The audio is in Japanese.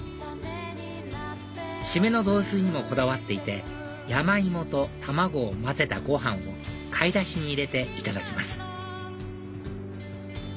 締めの雑炊にもこだわっていて山芋と卵を混ぜたご飯を貝ダシに入れていただきます